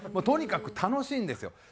とにかく楽しいんですよ。